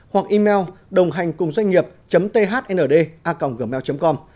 hoặc email đồnghanhcungdoanhnghiệp thnda gmail com